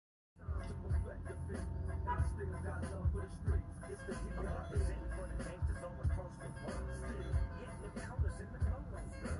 بھارت میں World T twenty کے انعقاد پر سوالات کھڑے ہوگئے